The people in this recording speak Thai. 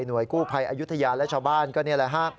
กู้ภัยอายุทยาและชาวบ้านก็นี่แหละฮะ